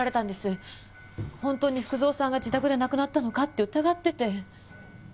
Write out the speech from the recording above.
本当に福造さんが自宅で亡くなったのかって疑ってて。